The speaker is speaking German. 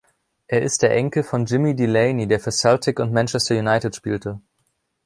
Er ist der Enkel von Jimmy Delaney, der für Celtic und Manchester United spielte.